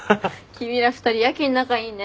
君ら２人やけに仲いいね。